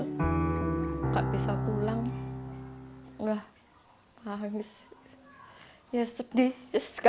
hai tak bisa pulang enggak habis ya sedih jika karuan jadi satu ngebleng rasanya nggak bisa nggak